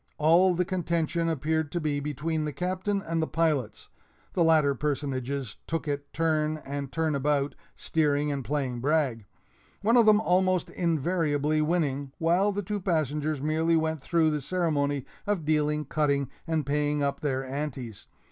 All the contention appeared to be between the Captain and the pilots (the latter personages took it turn and turn about, steering and playing brag), one of them almost invariably winning, while the two passengers merely went through the ceremony of dealing, cutting, and paying up their "anties."